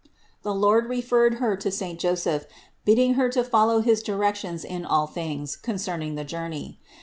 The Lord referred Her to saint Joseph, bidding Her to fol low his directions in all things concerning the journey.